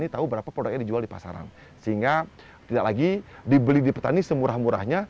petani tahu berapa produknya dijual di pasaran sehingga tidak lagi dibeli di petani semurah murahnya